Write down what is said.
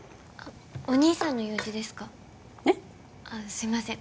すいません